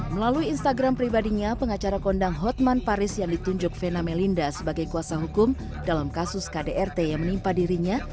melalui instagram pribadinya pengacara kondang hotman paris yang ditunjuk vena melinda sebagai kuasa hukum dalam kasus kdrt yang menimpa dirinya